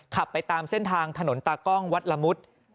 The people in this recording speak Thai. ขับไปตามเส้นทางถนนตากล้องวัดละมุด